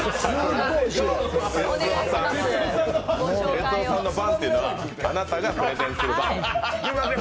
哲夫さんの番というのは、あなたがプレゼンする番。